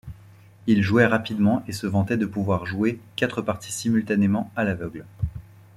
Il jouait rapidement et se vantait de pouvoir jouer quatre parties simultanément à l'aveugle.